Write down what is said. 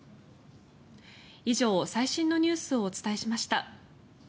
以上、最新のニュースをお伝えしました。